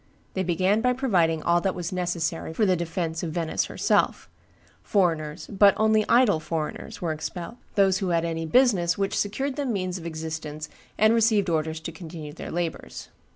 They began by providing all that was necessary for the defence of Venice herself; foreigners, but only idle foreigners, were expelled; those who had any business which secured them means of existence received orders to continue their labors.